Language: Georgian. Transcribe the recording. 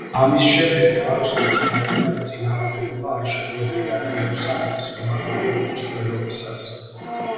ამის შემდეგ ჯვაროსნებს არავითარი წინააღმდეგობა არ შეხვედრიათ იერუსალიმის მიმართულებით მსვლელობისას.